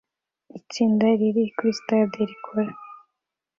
Itsinda riri kuri stage rikora